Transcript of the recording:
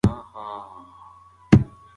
دوامداره فشار د زړه ناروغیو سبب کېږي.